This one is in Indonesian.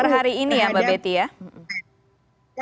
per hari ini ya mbak betty ya